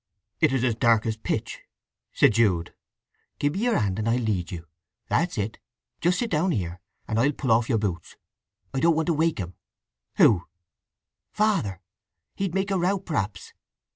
"It is as dark as pitch," said Jude. "Give me your hand, and I'll lead you. That's it. Just sit down here, and I'll pull off your boots. I don't want to wake him." "Who?" "Father. He'd make a row, perhaps."